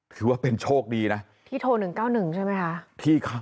ถือว่าเป็นโชคดีนะที่โทร๑๙๑ใช่ไหมคะ